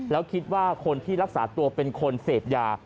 แล้วคิดว่าคนที่รักษาตัวเป็นคนเสพยา